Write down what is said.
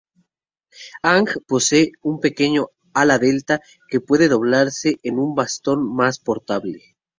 Aang posee un pequeño ala delta que puede doblarse en un bastón más portable.